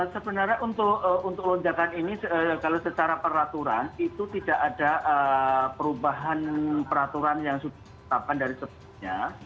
sebenarnya untuk lonjakan ini kalau secara peraturan itu tidak ada perubahan peraturan yang sudah ditetapkan dari sebelumnya